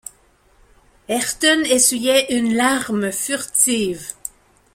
Ayrton essuyait une larme furtive.